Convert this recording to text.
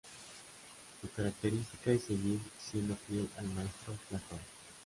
Su característica es seguir siendo fiel al maestro Platón.